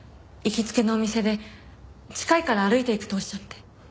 行きつけのお店で近いから歩いて行くとおっしゃって。